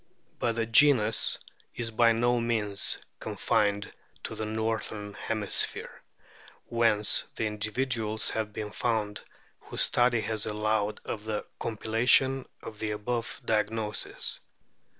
But the genus is by no means confined to the northern hemisphere, whence the individuals have been found whose study has allowed of the compilation of the above diagnoses.